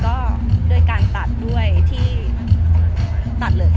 แม็กซ์ก็คือหนักที่สุดในชีวิตเลยจริง